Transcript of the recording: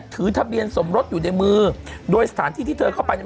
ซึ่งมีการพูดว่าสอนุประมาณประหลาด